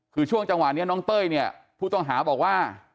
คือช่วงจังหวะนี้น้องเต้ยเนี่ยผู้ต้องหาบอกว่า